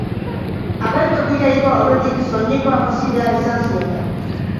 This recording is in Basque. Agertokira igo aurretik soinekoa josi behar izan zioten.